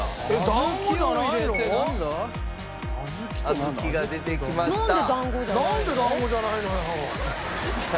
小豆が出てきました。